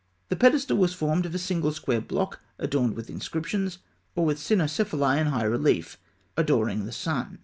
The pedestal was formed of a single square block adorned with inscriptions, or with cynocephali in high relief, adoring the sun.